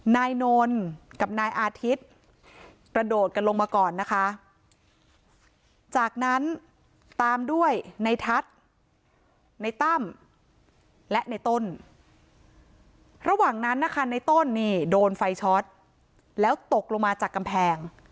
นายนนท์กับนายอาทิตย์กระโดดกันลงมาก่อนนะคะจากนั้นตามด้วยในทัศน์ในตั้มและในต้นระหว่างนั้นนะคะในต้นนี่โดนไฟช็อตแล้วตกลงมาจากกำแพง